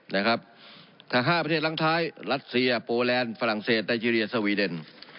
ทาง๕ประเทศล่างท้ายรัสเซียโปรแลนด์ฟรั่งเซนไตเจรียสวีเดน